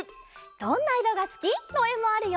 「どんな色がすき」のえもあるよ！